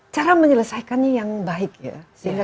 cara menyelesaikannya yang baik ya sehingga